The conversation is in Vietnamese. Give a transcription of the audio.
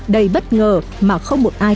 đầy bất ngờ mà không một ai